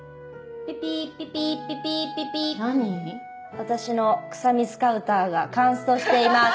私のくさみスカウターがカンストしています。